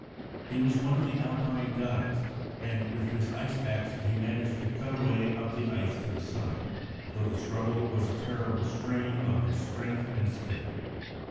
He was one of the Alpine guides, and, with his ice axe, he managed to cut a way up the ice to the summit, though the struggle was a terrible strain on his strength and skill.